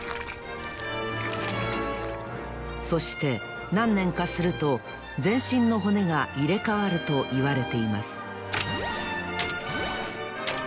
そしてなんねんかすると全身の骨がいれかわるといわれています